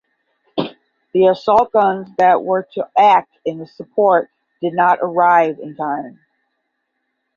The assault guns that were to act in support did not arrive in time.